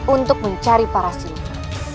untuk mencari para siluman